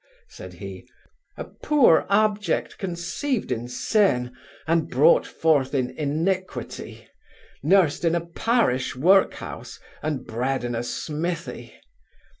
(said he) a poor object conceived in sin, and brought forth in iniquity, nursed in a parish workhouse, and bred in a smithy.